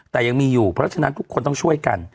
แต่ยังมีอยู่เพราะฉะนั้นทุกคนต้องช่วยกัน